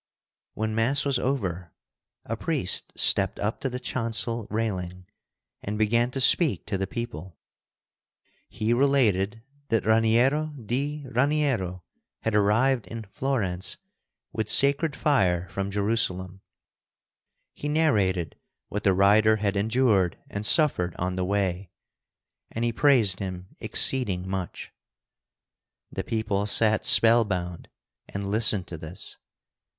When Mass was over, a priest stepped up to the chancel railing and began to speak to the people. He related that Raniero di Raniero had arrived in Florence with sacred fire from Jerusalem. He narrated what the rider had endured and suffered on the way. And he praised him exceeding much. The people sat spellbound and listened to this.